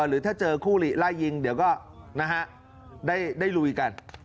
หรือถ้าเจอคู่หลีไล่ยิงเดี๋ยวก็ได้ลุยกัน